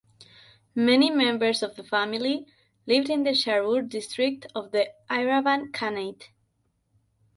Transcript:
Many members of the family lived in the Sharur District of the Iravan Khanate.